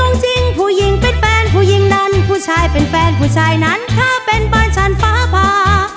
โอ้โหนี่หรือบางกอกผู้หญิงเป็นแฟนผู้หญิงนั้นผู้ชายเป็นแฟนผู้หญิงนั้นเธอเป็นบ้านฉันฝ้าพา